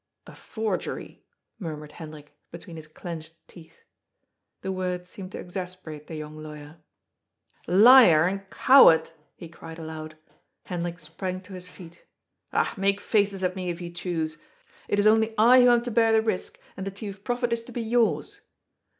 " A forgery," murmured Hendrik, between his clenched teeth. The word seemed to exasperate the young lawyer. " Liar and coward !" he cried aloud. Hendrik sprang to his feet. " Ah, make faces at me, if you choose. It is only I who am to bear the risk, and the chief profit is to be yours.